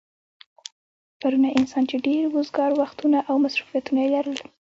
پرونی انسان چې ډېر وزگار وختونه او مصروفيتونه يې لرل